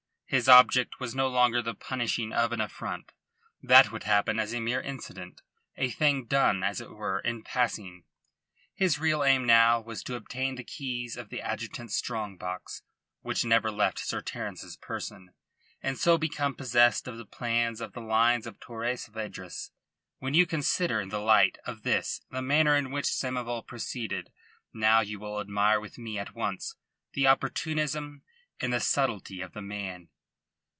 His object was no longer the punishing of an affront. That would happen as a mere incident, a thing done, as it were, in passing. His real aim now was to obtain the keys of the adjutant's strong box, which never left Sir Terence's person, and so become possessed of the plans of the lines of Torres Vedras. When you consider in the light of this the manner in which Samoval proceeded now you will admire with me at once the opportunism and the subtlety of the man.